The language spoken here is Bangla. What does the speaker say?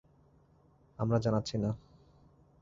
আমরা জানাচ্ছি না।